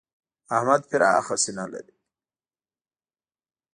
احمد پراخه سینه لري.